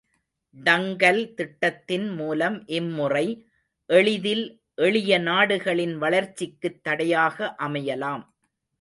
டங்கல் திட்டத்தின் மூலம் இம்முறை எளிதில் எளியநாடுகளின் வளர்ச்சிக்குத் தடையாக அமையலாம்.